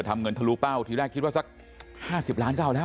ทำเงินทะลุเป้าที่แรกคิดว่าสักห้าสิบล้านก้านแล้ว